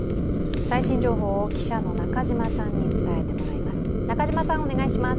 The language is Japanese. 最新情報を記者の中島さんに伝えてもらいます。